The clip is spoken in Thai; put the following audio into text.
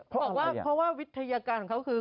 เพราะวิทยาการของเขาคือ